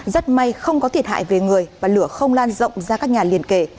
rất may không có thiệt hại về người và lửa không lan rộng ra các nhà liền kể